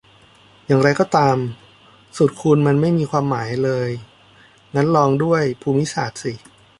อย่างไรก็ตาม สูตรคูณมันไม่มีความหมายเลย งั้นลองด้วยภูมิศาสตร์สิ